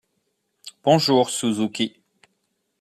Bonjour Suzuki.